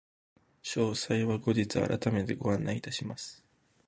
詳細は後日改めてご案内いたします。